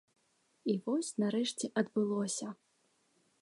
І вось нарэшце адбылося!